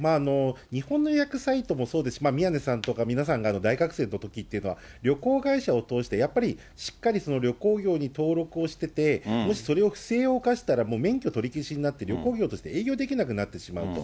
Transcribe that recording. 日本の予約サイトもそうですし、宮根さんとか、皆さんなど、大学生のときっていうのは、旅行会社を通して、やっぱりしっかり旅行業に登録をしてて、もしそれを、不正を犯したら、もう免許取り消しになって、旅行業として営業できなくなってしまうと。